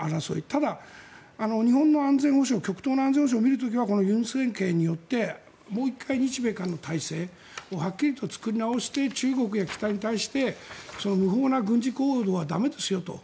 ただ、日本の安全保障極東の安全保障を見る時はこの尹政権にとってもう１回日米韓の体制はっきりと作り直して中国や北に対して無法な軍事行動は駄目ですよと。